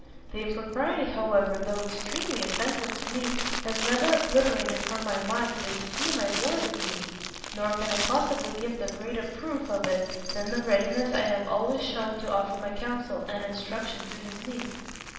The impropriety, however, though extremely offensive to me, has never obliterated from my mind the esteem I bore the Dean: nor can I possibly give a greater proof of it than the readiness I have always shewn to offer my counsel and instruction to his niece.